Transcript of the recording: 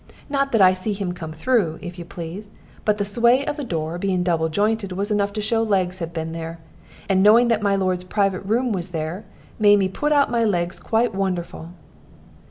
Not that I see him come through, if you please, but the sway of the door, being double jointed, was enough to show legs, had been there. And knowing that my lord's private room was there, made me put out my legs quite wonderful."